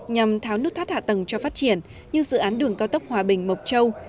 nhằm tháo nút thắt hạ tầng cho phát triển như dự án đường cao tốc hòa bình mộc châu